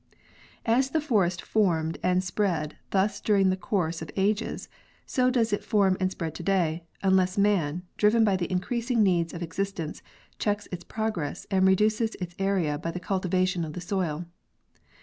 As the forest formed and spread thus during the course of ages, so does it form and spread: today, unless man, driven by the increasing needs of existence, checks its progress and reduces its area by the cultivation of the soil.